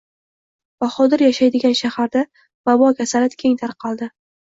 Bahodir yashaydigan shaharda vabo kasali keng tarqaldi